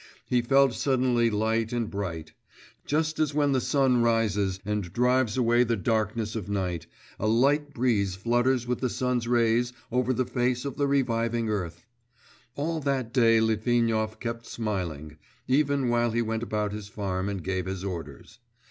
He felt suddenly light and bright.... Just as when the sun rises and drives away the darkness of night, a light breeze flutters with the sun's rays over the face of the reviving earth. All that day Litvinov kept smiling, even while he went about his farm and gave his orders.